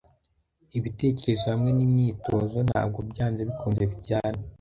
Ibitekerezo hamwe nimyitozo ntabwo byanze bikunze bijyana.